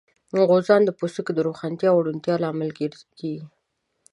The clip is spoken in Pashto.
غوزان د پوستکي د روښانتیا او روڼتیا لامل کېږي.